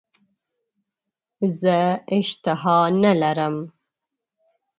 زه اشتها نه لرم .